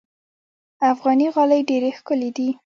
افغاني غالۍ ډېرې ښکلې دي.